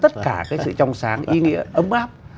tất cả cái sự trong sáng ý nghĩa ấm áp